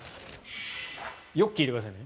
よく聞いてくださいね。